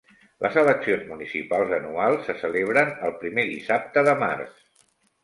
Les eleccions municipals anuals se celebren el primer dissabte de març.